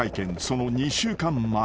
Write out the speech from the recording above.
その２週間前］